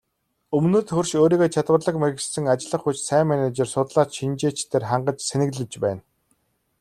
Өмнөд хөрш өөрийгөө чадварлаг мэргэшсэн ажиллах хүч, сайн менежер, судлаач, шинжээчдээр хангаж цэнэглэж байна.